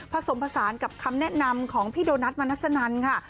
ผสมผสานกับคำแนะนำของพี่โดนัทมนัสนันค่ะ